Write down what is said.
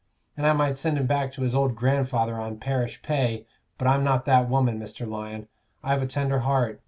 And I might send him back to his old grandfather on parish pay, but I'm not that woman, Mr. Lyon; I've a tender heart.